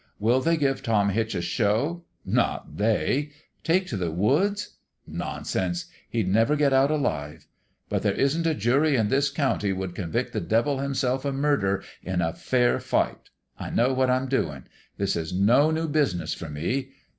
Will they give Tom Hitch a show ? Not they ! Take to the woods? Nonsense! He'd never get out alive. But there isn't a jury in this county would con vict the devil himself of murder in a fair fight. ... I know what I'm doing. This is no new business for me.